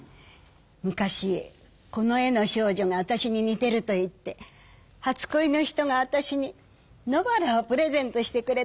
昔この絵の少女があたしに似てるといって初こいの人があたしに野バラをプレゼントしてくれたんです。